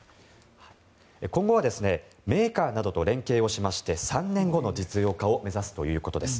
今後はメーカーなどと連携をしまして３年後の実用化を目指すということです。